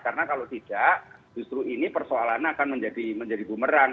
karena kalau tidak justru ini persoalannya akan menjadi bumerang